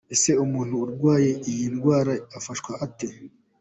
Ese umuntu urwaye iyi ndwara afashwa ate?.